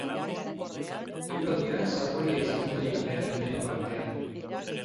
Eguraldia sargoria izango da igandearen lehen partean.